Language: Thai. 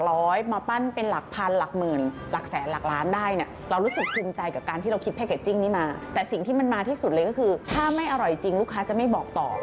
เรารู้สึกขึ้นใจกับการที่เราคิดแฟคแกจชิงนี้มาแต่สิ่งที่มันมาที่สุดเลยซึ่งค่าไม่อร่อยจริงลูกค้าจะไม่บอกต่อ